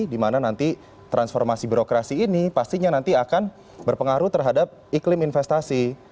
dimana nanti transformasi birokrasi ini pastinya nanti akan berpengaruh terhadap iklim investasi